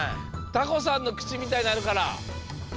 たこさんのくちみたいになるから。